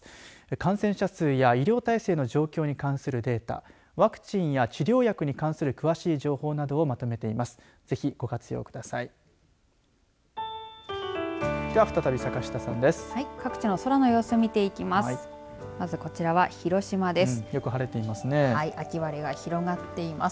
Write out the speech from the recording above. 感染者数や医療体制に関するデータワクチンや治療薬に関する詳しい情報などをまとめています。